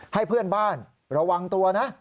ให้เพื่อนบ้านระวังตัวนะ